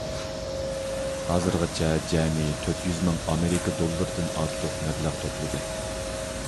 ھازىرغىچە جەمئىي تۆت يۈز مىڭ ئامېرىكا دوللىرىدىن ئارتۇق مەبلەغ توپلىدى.